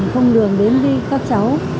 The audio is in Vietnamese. không đường đến với các cháu